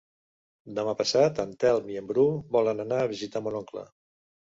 Demà passat en Telm i en Bru volen anar a visitar mon oncle.